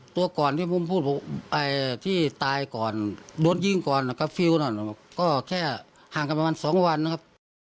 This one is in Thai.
ตัวก่อนที่ผมพูดที่ตายก่อนโดนยิงก่อนกาฟิลก็แค่ห่างกันประมาณ๒วันนะครับ